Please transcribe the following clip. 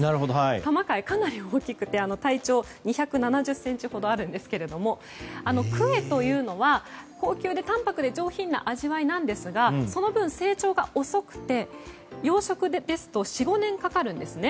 タマカイ、かなり大きくて体長２７０ｃｍほどあるんですけれどもクエというのは高級で淡泊で上品な味わいなんですがその分成長が遅くて養殖ですと４５年かかるんですね。